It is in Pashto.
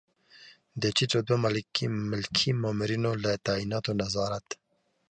د ټیټ رتبه ملکي مامورینو له تعیناتو نظارت.